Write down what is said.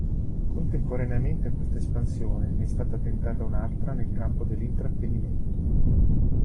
Contemporaneamente a questa espansione ne è stata tentata un'altra nel campo dell'intrattenimento.